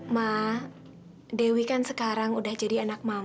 mak dewi kan sekarang udah jadi anak mama